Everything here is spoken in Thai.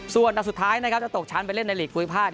ส่วนสุดท้ายจะตกชั้นไปเล่นในหลีกภูมิภาค๒